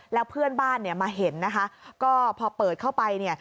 แล้วเพื่อนบ้านมาเห็นก็พอเปิดเข้าไป